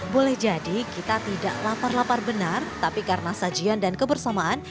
boleh jadi kita tidak lapar lapar benar tapi karena sajian dan kebersamaan